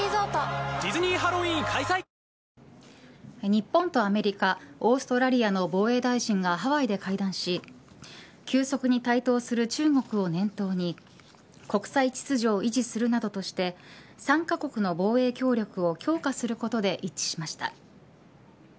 日本とアメリカオーストラリアの防衛大臣がハワイで会談し急速に台頭する中国を念頭に国際秩序を維持するなどとして３カ国の防衛協力を強化することで一致しました。